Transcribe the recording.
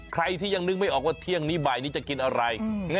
ใครที่ยังนึกไม่ออกว่าเที่ยงนี้บ่ายนี้จะกินอะไร